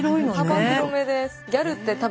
幅広めです。